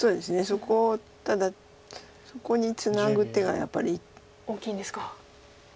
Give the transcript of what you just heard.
そこただそこにツナぐ手がやっぱり。大きいんですか。